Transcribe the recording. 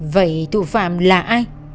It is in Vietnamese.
vậy thủ phạm là ai